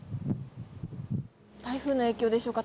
台風の影響でしょうか。